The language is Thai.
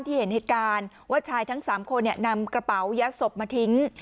ที่เห็นเหตุการณ์ว่าชายทั้งสามคนเนี่ยนำกระเป๋ายะสบมาทิ้ง